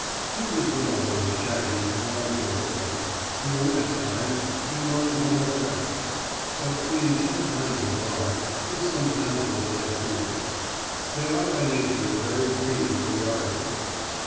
He was one of those shaggy, long haired dogs who at times remind one of ferrets, but being ten times as large, they sometimes look like poodles; they are by nature the very breed for yard dogs.